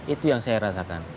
itu yang saya rasakan